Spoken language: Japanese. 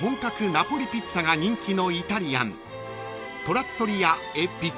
ナポリピッツァが人気のイタリアン］